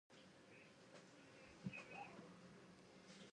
Once the water has cooled in the pond, it is reused by the plant.